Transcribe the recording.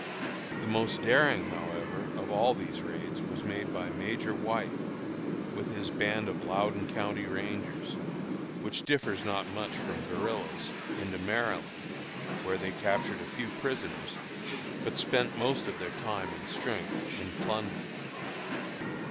The most daring, however, of all these raids was made by Major White, with his band of Loudon County rangers, which differs not much from guerillas, into Maryland, where they captured a few prisoners, but spent most of their time and strength in plunder.